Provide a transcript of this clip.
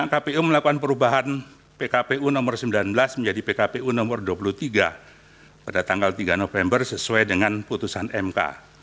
kpu melakukan perubahan pkpu nomor sembilan belas menjadi pkpu nomor dua puluh tiga pada tanggal tiga november sesuai dengan putusan mk